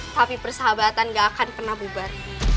tapi persahabatan gak akan pernah bubar